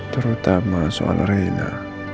terutama soal reina